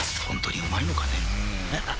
ホントにうまいのかね